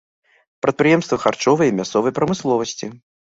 Прадпрыемствы харчовай і мясцовай прамысловасці.